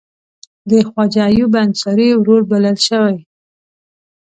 د خواجه ایوب انصاري ورور بلل شوی.